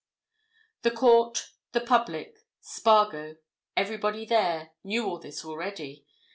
The court, the public, Spargo, everybody there, knew all this already.